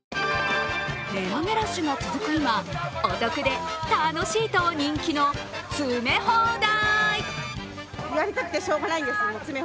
値上げラッシュが続く今、お得で楽しいと人気の詰め放題。